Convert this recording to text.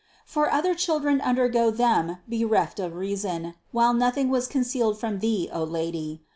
For other children undergo them bereft of reason, while nothing was concealed from Thee, O Lady.